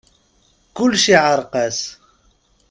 Kulec iɛreq-as.